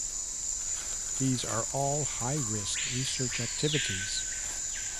These are all high-risk research activities.